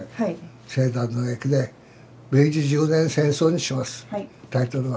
西南の役で「明治１０年戦争」にしますタイトルは。